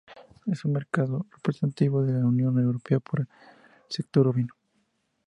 Es un mercado representativo de la Unión Europea para el sector ovino.